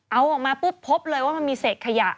เอาออกมาปุ๊บพบเลยว่ามันมีเศษขยะ